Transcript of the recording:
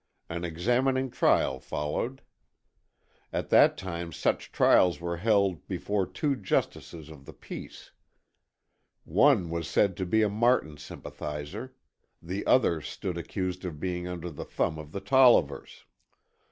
An examining trial followed. At that time such trials were held before two justices of the peace. One was said to be a Martin sympathizer; the other stood accused of being under the thumb of the Tollivers.